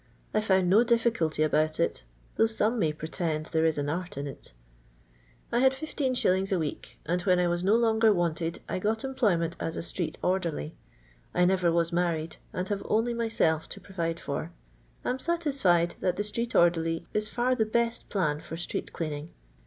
I found no difficulty about it, though some may pretend there is an art in it. I Iwd 15«. a week, and when I was no longer wanted I got employment as a street orderly. I never was married, and have only myself to provide for. I'm satisfied that the street orderly is for the hett plan for street>clean> ing.